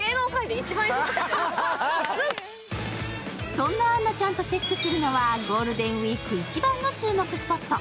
そんな杏奈ちゃんとチェックするのはゴールデンウイーク一番の注目スポット。